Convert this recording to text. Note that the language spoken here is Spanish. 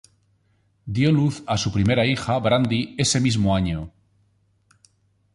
Dio a luz a su primera hija, Brandi, ese mismo año.